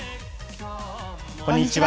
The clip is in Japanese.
こんにちは。